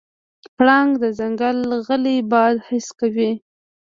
پړانګ د ځنګل غلی باد حس کوي.